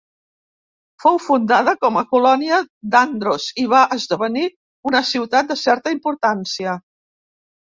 Fou fundada com a colònia d'Andros i va esdevenir una ciutat de certa importància.